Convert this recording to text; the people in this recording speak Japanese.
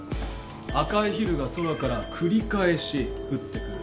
「赤い蛭が空から繰り返し降って来る」